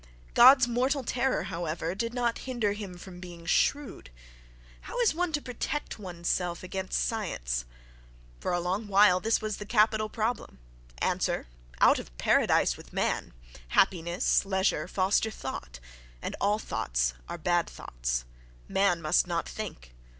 —God's mortal terror, however, did not hinder him from being shrewd. How is one to protect one's self against science? For a long while this was the capital problem. Answer: Out of paradise with man! Happiness, leisure, foster thought—and all thoughts are bad thoughts!—Man must not think.